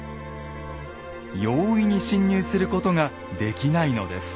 容易に侵入することができないのです。